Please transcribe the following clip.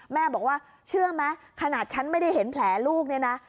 แม่บอกว่าเชื่อไหมขนาดฉันไม่ได้เห็นแผลลูกเนี่ยนะ